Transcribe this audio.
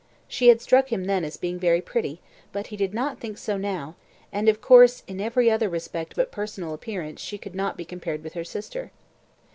She had struck him then as being very pretty, but he did not think so now, and, of course, in every other respect but personal appearance she could not be compared with her sister.